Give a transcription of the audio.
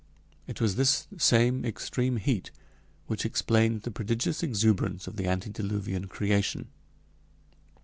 It was this same extreme heat which explains the prodigious exuberance of the antediluvian creation!